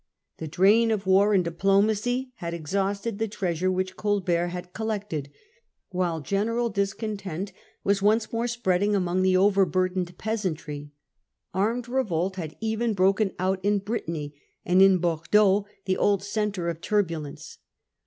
The drain of war France; and diplomacy had exhausted the treasure anxious for which Colbert had collected, while general peace. discontent was once more spreading among the overburdened peasantry ; armed revolt had even broken out in Britanny, and in Bordeaux, the old centre of turbulence.